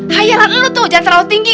hayalah lo tuh jangan terlalu tinggi